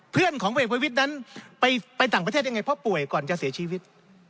เพื่อนของเอกประวิทย์นั้นไปต่างประเทศยังไงเพราะป่วยก่อนจะเสียชีวิต